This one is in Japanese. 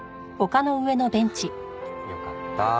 よかった。